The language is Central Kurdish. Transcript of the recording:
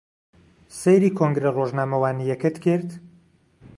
سەیری کۆنگرە ڕۆژنامەوانییەکەت کرد؟